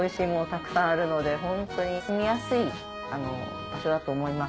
たくさんあるのでホントに住みやすい場所だと思います。